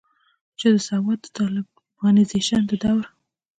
چې د سوات د طالبانائزيشن د دور